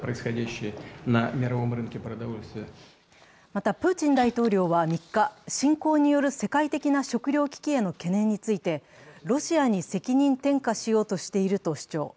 また、プーチン大統領は３日侵攻による世界的な食糧危機への懸念についてロシアに責任転嫁しようとしていると主張。